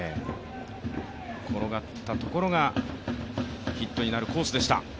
転がったところがヒットになるコースでした。